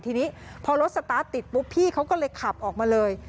ทีนี้พอรถสตาร์ทติดปุ๊บพี่เขาก็เลยขับออกมาเลย